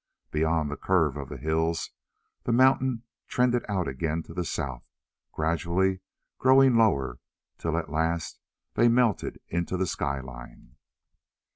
Beyond the curve of hills the mountains trended out again to the south, gradually growing lower till at last they melted into the skyline.